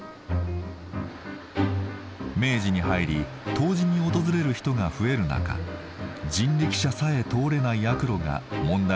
明治に入り湯治に訪れる人が増える中人力車さえ通れない悪路が問題になっていました。